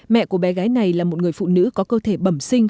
mẹ của bé gái này là một người phụ nữ có cơ thể bẩm sinh